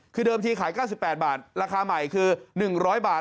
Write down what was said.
คือเดิมที่ขายเก้าสิบแปดบาทราคาใหม่คือหนึ่งร้อยบาท